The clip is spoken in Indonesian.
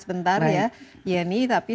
sebentar ya tapi